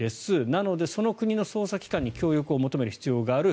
なので、その国の捜査機関に協力を求める必要がある。